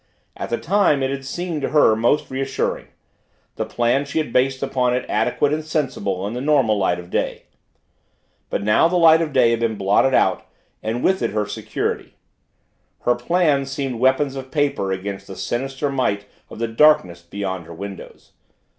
At the time it had seemed to her most reassuring the plans she had based upon it adequate and sensible in the normal light of day. But now the light of day had been blotted out and with it her security. Her plans seemed weapons of paper against the sinister might of the darkness beyond her windows.